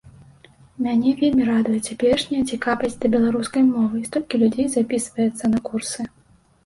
Мяне вельмі радуе цяперашняя цікавасць да беларускай мовы, столькі людзей запісваецца на курсы.